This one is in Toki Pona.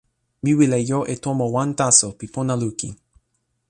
mi wile jo e tomo wan taso pi pona lukin.